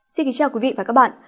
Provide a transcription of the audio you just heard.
xin kính chào quý vị và các bạn